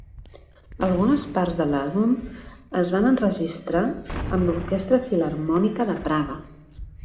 Algunes parts de l'àlbum es van enregistrar amb l'Orquestra Filharmònica de Praga.